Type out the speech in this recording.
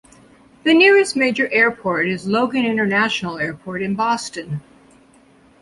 The nearest major airport is Logan International Airport in Boston.